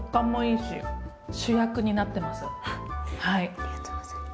ありがとうございます！